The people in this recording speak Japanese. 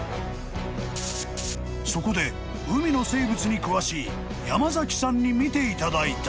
［そこで海の生物に詳しい山崎さんに見ていただいた］